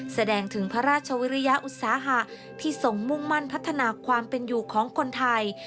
แสดงถึงพระราชวิริยาอุตสาหะที่ทรงมุ่งมั่นพัฒนาความเป็นอยู่ของคนไทย